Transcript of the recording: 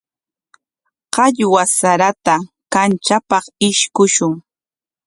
Qallwa sarata kamchapaq ishkushun.